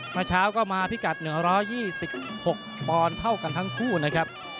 เมื่อเช้าก็มาพิกัด๑๒๖ปอนด์เท่ากันทั้งคู่นะครับ